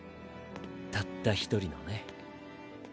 たった一人のね。